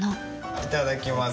いただきます。